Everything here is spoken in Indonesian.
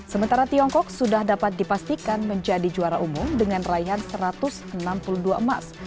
sementara tiongkok sudah dapat dipastikan menjadi juara umum dengan raihan satu ratus enam puluh dua emas